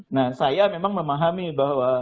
nah saya memang memahami bahwa